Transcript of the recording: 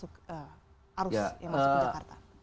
berbicara mengenai urbanisasi yang masuk arus jakarta